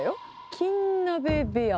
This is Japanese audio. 金鍋部屋。